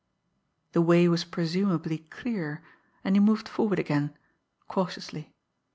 The way was presumably clear, and he moved forward again cautiously.